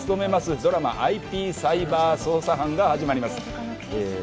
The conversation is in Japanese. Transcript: ドラマ「ＩＰサイバー捜査班」が始まります。